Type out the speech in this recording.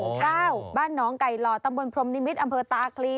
บ้านน้องไก่หล่อตำบลพรมนิมิตรอำเภอตาคลี